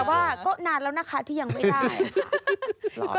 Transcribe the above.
แต่ว่าก็นานแล้วนะคะที่ยังไม่ได้